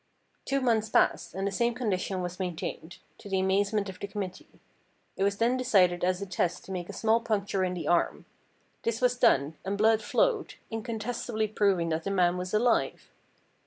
Two months passed, and the same condition was main THE STRANGE STORY OF DR. MARTIN 315 tained, to the amazement of the committee. It was then de cided as a test to make a small puncture in the arm. This was done, and hlood flowed, incontestably proving that the man was alive.